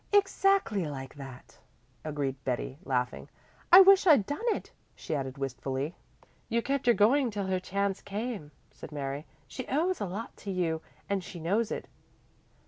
"Exactly like that," agreed Betty, laughing. "I wish I'd done it," she added wistfully. "You kept her going till her chance came," said Mary. "She owes a lot to you, and she knows it."